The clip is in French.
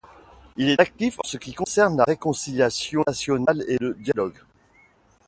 Il est actif en ce qui concerne la réconciliation nationale et le dialogue.